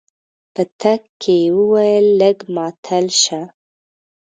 په تګ کې يې وويل لږ ماتل شه.